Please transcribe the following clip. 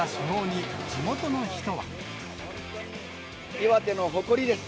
岩手の誇りです。